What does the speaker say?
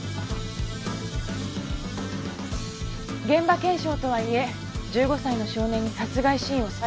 現場検証とはいえ１５歳の少年に殺害シーンを。